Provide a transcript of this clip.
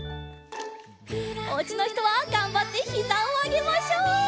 おうちのひとはがんばってひざをあげましょう！